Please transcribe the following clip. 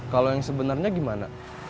kalau yang sebenernya gimana